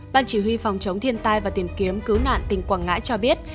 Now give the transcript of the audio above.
ban chỉ huy phòng chống thiên tai và tìm kiếm cứu nạn tỉnh quảng ngãi cho biết